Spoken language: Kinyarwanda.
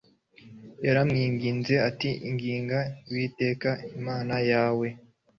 Yaramwinginze ati Inginga Uwiteka Imana yawe